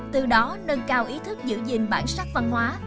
từ đó nâng cao ý thức giữ gìn bản sắc văn hóa